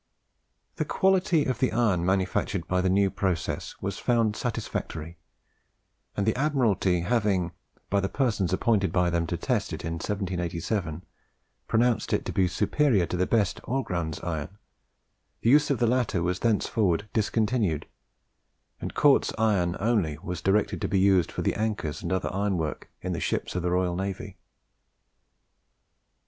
The quality of the iron manufactured by the new process was found satisfactory; and the Admiralty having, by the persons appointed by them to test it in 1787, pronounced it to be superior to the best Oregrounds iron, the use of the latter was thenceforward discontinued, and Cort's iron only was directed to be used for the anchors and other ironwork in the ships of the Royal Navy.